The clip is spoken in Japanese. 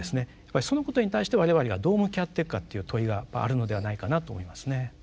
そのことに対して我々がどう向き合っていくかという問いがあるのではないかなと思いますね。